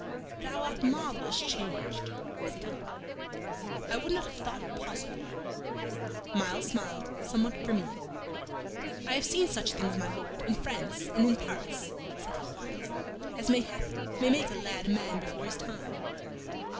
"Thou art marvellous changed," said he. "I would not have thought it possible." Myles smiled somewhat grimly. "I have seen such things, my Lord, in France and in Paris," said he, quietly, "as, mayhap, may make a lad a man before his time."